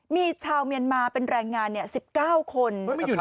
มีชาวเมียนมาเป็นแรงงาน๑๙คน